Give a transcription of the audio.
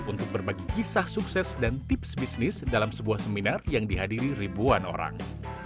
untuk berbagi kisah sukses dan tips bisnis dalam sebuah seminar yang dihadiri ribuan orang